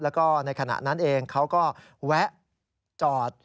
แล้วก็ในขณะนั้นเองเขาก็แวะจอด